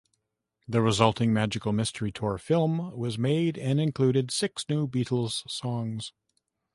The resulting "Magical Mystery Tour" film was made and included six new Beatles songs.